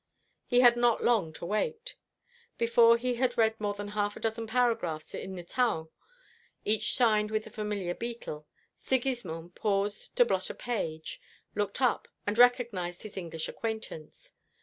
He had not long to wait. Before he had read more than half a dozen paragraphs in the Taon, each signed with the familiar beetle, Sigismond paused to blot a page, looked up, and recognised his English acquaintance.